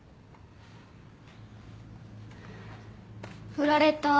振られた。